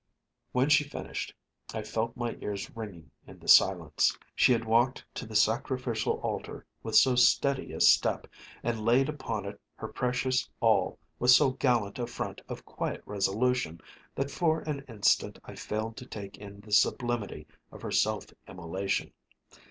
When she finished, I felt my ears ringing in the silence. She had walked to the sacrificial altar with so steady a step, and laid upon it her precious all with so gallant a front of quiet resolution, that for an instant I failed to take in the sublimity of her self immolation.